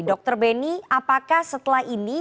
dr beni apakah setelah ini